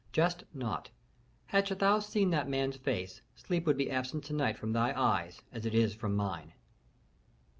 "Jest not. Hadst thou seen that man's face, sleep would be absent to night from thy eyes as it is from mine."